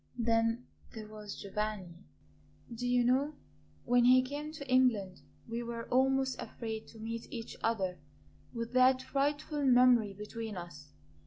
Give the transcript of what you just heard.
Then there was Giovanni. Do you know, when he came to England we were almost afraid to meet each other with that frightful memory between us.